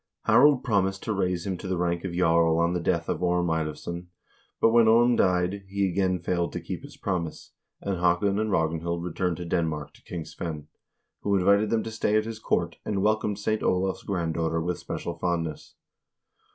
Harald promised to raise him to the rank of jarl on the death of Orm Eilivsson, but when Orm died, he again failed to keep his prom ise, and Haakon and Ragnhild returned to Denmark to King Svein, who invited them to stay at his court, and welcomed St. Olav's grand daughter with special fondness.